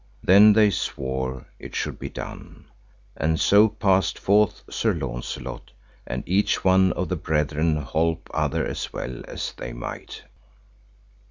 Then they swore it should be done, and so passed forth Sir Launcelot, and each one of the brethren holp other as well as they might.